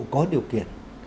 có điều kiện